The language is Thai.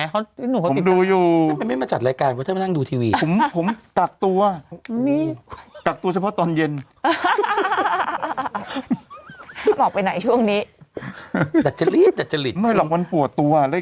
เออนี่เห็นไหมเขาหนูเขาติดการ